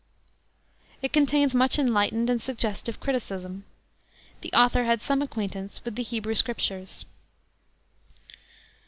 It contains much enlightened and suggestive criticism. The author had some acquaintance with the Hebrew scriptures.